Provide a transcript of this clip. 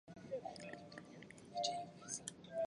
区燕青是一名香港女演员。